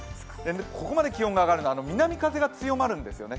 ここまで気温が上がるのは南風が強まるんですよね。